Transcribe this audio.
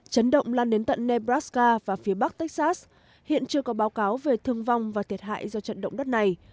chấn động lan đến tận nebraska và phía bắc texas hiện chưa có báo cáo về thương vong và thiệt hại do trận động đất này